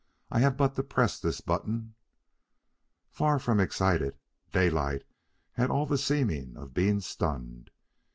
I have but to press this button..." Far from excited, Daylight had all the seeming of being stunned.